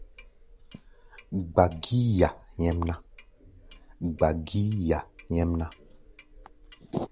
Gba gíí ya nyɛ́mná!